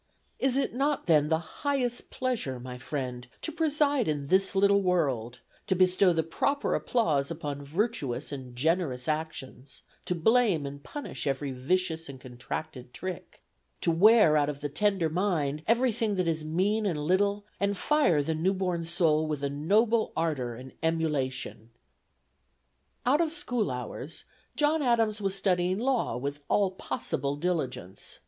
Is it not, then, the highest pleasure, my friend, to preside in this little world, to bestow the proper applause upon virtuous and generous actions, to blame and punish every vicious and contracted trick, to wear out of the tender mind everything that is mean and little, and fire the newborn soul with a noble ardor, and emulation?" Out of school hours, John Adams was studying law with all possible diligence.